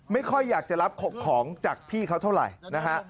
ไม่ค่อยอยากจะรับของจากพี่เขาเท่าไหร่นะฮะ